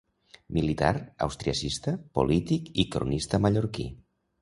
Militar, austriacista, polític i cronista mallorquí.